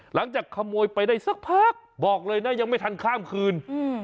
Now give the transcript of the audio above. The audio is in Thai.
หลังจากขโมยไปได้สักพักบอกเลยนะยังไม่ทันข้ามคืน